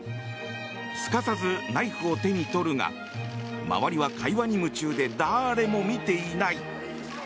すかさず、ナイフを手に取るが周りは会話に夢中で誰も見ていない。